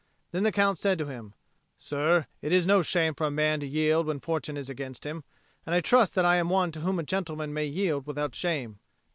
Then the Count said to him, "Sir, it is no shame for a man to yield when fortune is against him. And I trust that I am one to whom a gentleman may yield without shame.